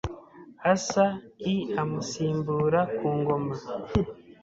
Asa i amusimbura ku ngoma